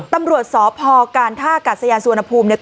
ตำรวจสอบพอการท่ากัดสยานสวนภูมิเนี้ย